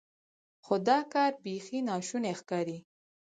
خو دا کار بیخي ناشونی ښکاري.